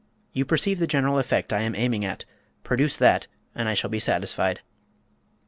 You perceive the general effect I am aiming at; produce that and I shall be satisfied."